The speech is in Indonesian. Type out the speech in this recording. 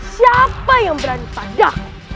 siapa yang berani padamu